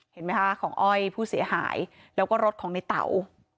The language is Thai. เห็นไหมคะของอ้อยผู้เสียหายแล้วก็รถของในเต๋า